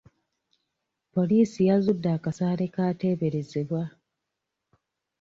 Poliisi yazudde akasaale k'ateberezebbwa.